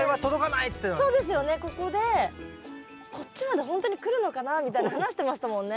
ここでこっちまでほんとにくるのかなみたいに話してましたもんね。